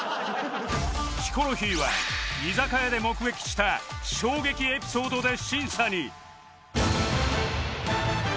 ヒコロヒーは居酒屋で目撃した衝撃エピソードで審査に